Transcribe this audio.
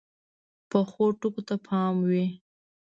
پخو ټکو ته پام وي